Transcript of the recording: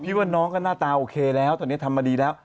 ว่าน้องก็หน้าตาโอเคแล้วตอนนี้ทำมาดีแล้ว